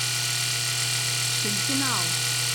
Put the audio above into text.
Stimmt genau!